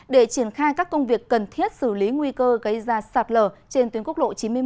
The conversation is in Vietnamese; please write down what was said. để triển khai các công việc cần thiết xử lý nguy cơ gây ra sạt lở trên tuyến quốc lộ chín mươi một